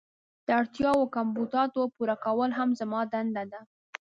د اړتیاوو او کمبوداتو پوره کول هم زما دنده ده.